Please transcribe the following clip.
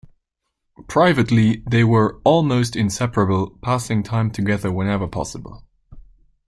Privately, they were "almost inseparable", passing time together whenever possible.